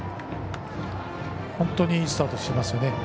本当にいいスタートしてますね。